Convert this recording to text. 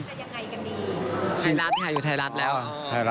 คือไทยรัฐน่าอยู่ไทยรัฐแล้ว